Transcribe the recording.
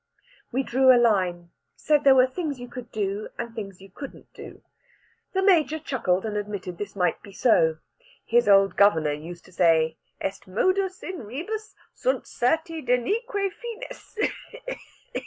We drew a line; said there were things you could do, and things you couldn't do. The Major chuckled, and admitted this might be so; his old governor used to say, "Est modus in rebus, sunt certi denique fines."